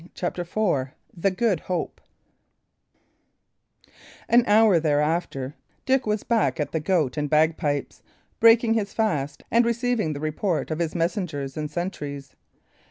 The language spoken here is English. CHAPTER IV THE GOOD HOPE An hour thereafter, Dick was back at the Goat and Bagpipes, breaking his fast, and receiving the report of his messengers and sentries.